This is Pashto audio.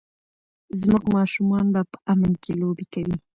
زموږ ماشومان به په امن کې لوبې کوي.